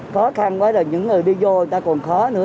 khó khăn quá rồi những người đi vô người ta còn khó nữa